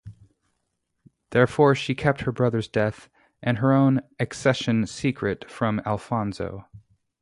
Therefore, she kept her brother's death and her own accession secret from Alfonso.